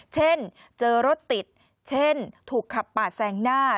เช่นเจอรถติดเช่นถูกขับปาดแซงหน้า